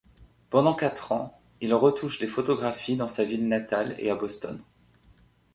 Pendant quatre ans, il retouche des photographies dans sa ville natale et à Boston.